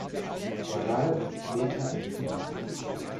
Corral später in diesem Jahr.